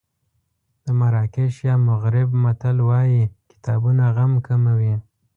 د مراکش یا مغرب متل وایي کتابونه غم کموي.